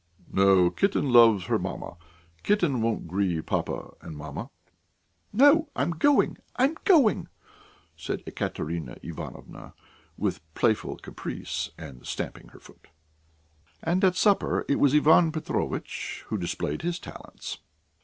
"No. Kitten loves her mamma. Kitten won't grieve papa and mamma." "No, I'm going, I'm going," said Ekaterina Ivanovna, with playful caprice and stamping her foot. And at supper it was Ivan Petrovitch who displayed his talents.